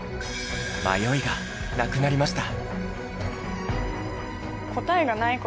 迷いがなくなりました。